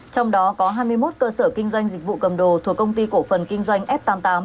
trong đó có hai mươi một cơ sở kinh doanh dịch vụ cầm đồ thuộc công ty cổ phần kinh doanh f tám mươi tám